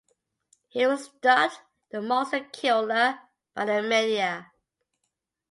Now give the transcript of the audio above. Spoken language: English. He was dubbed the "Monster Killer" by the media.